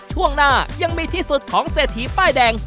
ช่วงหน้ายังมีที่สุดของเศรษฐีป้ายแดง